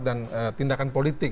dan tindakan politik